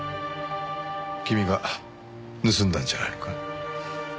君が盗んだんじゃないのか？